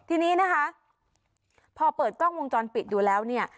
ทีนี้นะคะพอเปิดกล้องวงจรปิดดูแล้วเนี่ย